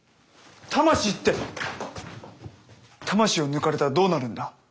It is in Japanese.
魂って魂を抜かれたらどうなるんだ？